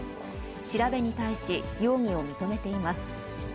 調べに対し、容疑を認めています。